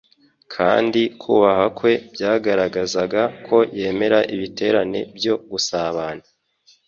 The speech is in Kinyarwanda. kandi kuhaba kwe byagaragazaga ko yemera ibiterane byo gusabana.